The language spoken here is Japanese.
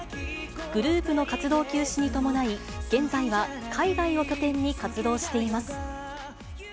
グループの活動休止に伴い、現在は海外を拠点に活動しています。